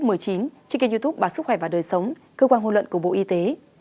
trên kênh youtube bà sức khỏe và đời sống cơ quan hôn luận của bộ y tế